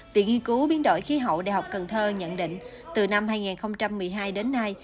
viện nghiên cứu biến đổi khí hậu đại học cần thơ nhận định từ năm hai nghìn một mươi hai đến nay